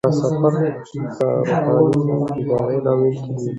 دا سفر د روحاني بیدارۍ لامل کیږي.